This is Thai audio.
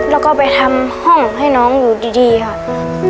แล้วก็ไปทำห้องให้น้องอยู่ดีค่ะ